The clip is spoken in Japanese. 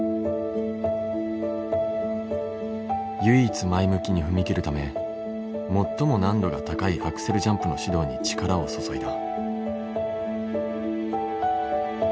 唯一前向きに踏み切るため最も難度が高いアクセルジャンプの指導に力を注いだ。